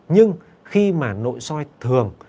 nhưng khi mà nội soi thường